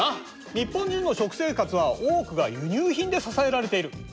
日本人の食生活は多くが輸入品で支えられている。